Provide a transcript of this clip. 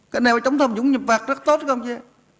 cái này phải chống thông dũng nhập vạc rất tốt không chứ